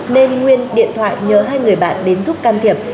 nên nguyên điện thoại nhờ hai người bạn đến giúp can thiệp